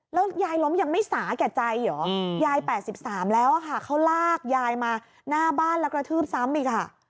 แล้วยายล้มยังไม่สาแก่ใจเหรอยาย๘๓แล้วค่ะเขาลากยายมาหน้าบ้านแล้วกระทืบซ้ำอีกอ่ะ